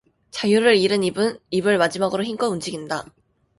자유를 잃은 입을 마지막으로 힘껏 움직인다.